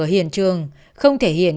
ở hiện trường không thể hiện